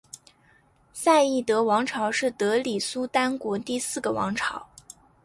赛义德王朝是德里苏丹国第四个王朝。